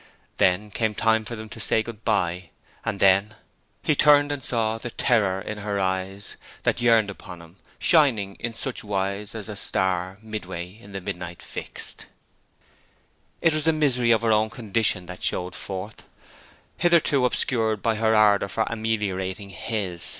Time came for them to say good bye, and then 'He turn'd and saw the terror in her eyes, That yearn'd upon him, shining in such wise As a star midway in the midnight fix'd.' It was the misery of her own condition that showed forth, hitherto obscured by her ardour for ameliorating his.